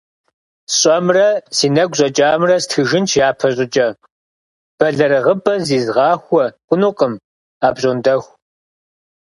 СщӀэмрэ си нэгу щӀэкӀамрэ стхыжынщ япэщӀыкӀэ – бэлэрыгъыпӀэ зизгъахуэ хъунукъым апщӀондэху…